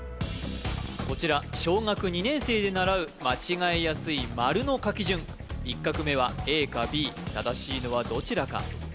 こちら小学２年生で習う間違いやすい「丸」の書き順一画目はＡかＢ正しいのはどちらか？